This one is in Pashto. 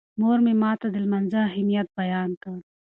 مور مې ماته د لمانځه اهمیت بیان کړ.